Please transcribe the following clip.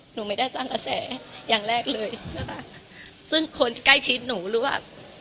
หนูไม่ได้สร้างกระแสอย่างแรกเลยนะคะซึ่งคนใกล้ชิดหนูหรือว่า